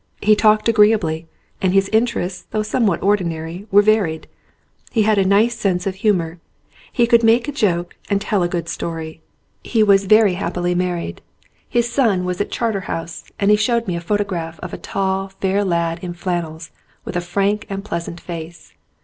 He talked agreeably, and his interests, though somewhat or dinary, were varied. He had a nice sense of humour. He could make a joke and tell a good story. He was very happily married. His son was at Charterhouse and he showed me a photo 175 ON A CHINESE SCREEN graph of a tall, fair lad in flannels, with a frank and pleasant face.